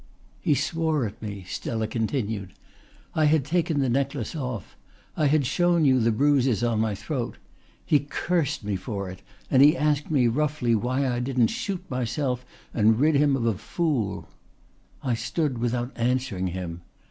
"He swore at me," Stella continued. "I had taken the necklace off. I had shown you the bruises on my throat. He cursed me for it, and he asked me roughly why I didn't shoot myself and rid him of a fool. I stood without answering him.